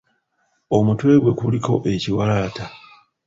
Omutwe gwe guliko ekiwalaata.